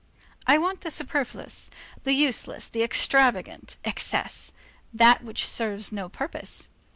I want the superfluous, the useless, the extravagant, excess, that which serves no purpose.